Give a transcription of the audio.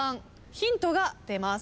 ヒントが出ます。